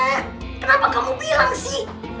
kenapa kamu bilang sih